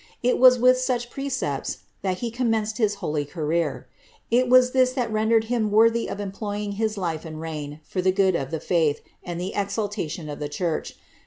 It was with such precepts that he commenced his holy career; it was this that rendered him worthy of employing his life and reign for the good of tlie faith and the exalta tion of the church.